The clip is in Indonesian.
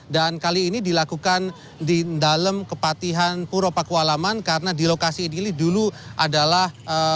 dan kali ini dilakukan di dalam kepatian puro pakualaman karena di lokasi ini dulu adalah